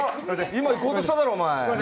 今、行こうとしただろ、お前！